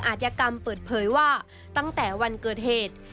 อาจยกรรมเปิดเผยว่าตั้งแต่วันเกิดเหตุ